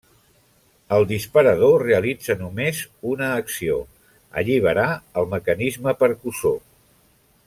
El disparador realitza només una acció, alliberar el mecanisme percussor.